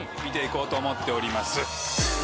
見て行こうと思っております。